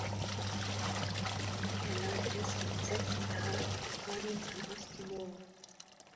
Er nannte es den „sechsten Verrats“ Australiens an Osttimor.